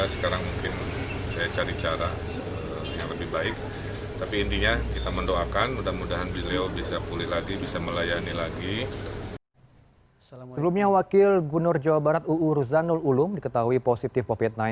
sebelumnya wakil gubernur jawa barat uu ruzanul ulum diketahui positif covid sembilan belas